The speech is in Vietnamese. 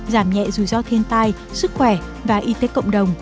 giảm nhẹ dù do thiên tai sức khỏe và y tế cộng đồng